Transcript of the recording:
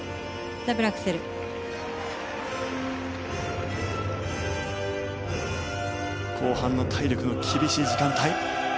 後半の体力の厳しい時間帯。